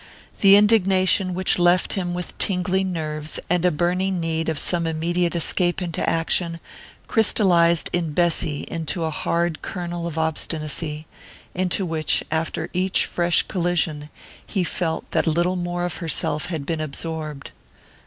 The indignation which left him with tingling nerves and a burning need of some immediate escape into action, crystallized in Bessy into a hard kernel of obstinacy, into which, after each fresh collision, he felt that a little more of herself had been absorbed....